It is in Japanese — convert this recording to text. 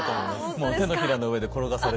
もう手のひらの上で転がされてる。